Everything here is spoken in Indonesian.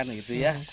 nah itu ya